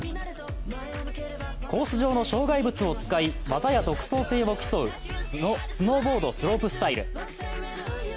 コース上の障害物を使い、技や独創性を競うスノーボードスロープスタイル。